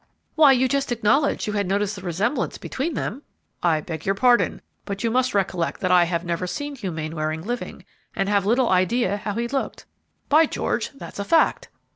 "Why, you just acknowledged you had noticed the resemblance between them!" "I beg your pardon; but you must recollect that I have never seen Hugh Mainwaring living, and have little idea how he looked." "By George! that's a fact.